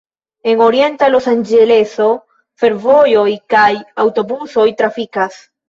En Orienta Losanĝeleso fervojoj kaj aŭtobusoj trafikas.